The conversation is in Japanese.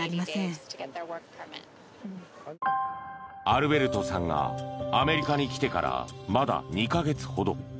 アルベルトさんがアメリカに来てからまだ２か月ほど。